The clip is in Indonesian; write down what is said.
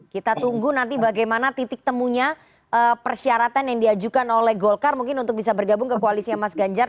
kita tunggu nanti bagaimana titik temunya persyaratan yang diajukan oleh golkar mungkin untuk bisa bergabung ke koalisnya mas ganjar